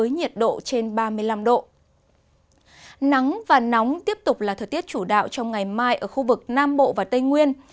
nắng và nóng tiếp tục là thời tiết chủ đạo trong ngày mai ở khu vực nam bộ và tây nguyên